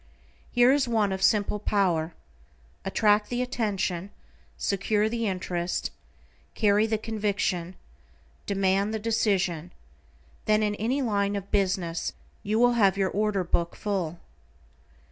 Here is one of simple power: Attract the attention, secure the interest, carry the conviction, demand the decision, then in any line of business you will have your order book full.